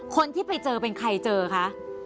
คนที่ไปเจอเป็นใครเจอคะ